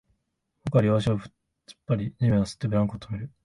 僕は両足を突っ張り、地面を擦って、ブランコを止める